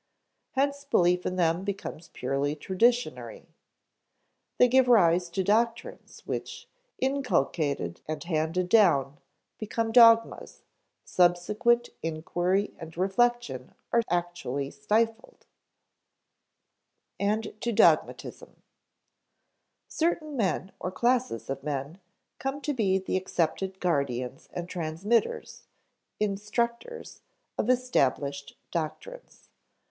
Hence belief in them becomes purely traditionary. They give rise to doctrines which, inculcated and handed down, become dogmas; subsequent inquiry and reflection are actually stifled. (Ante, p. 23.) [Sidenote: and to dogmatism] Certain men or classes of men come to be the accepted guardians and transmitters instructors of established doctrines.